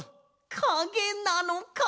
かげなのか。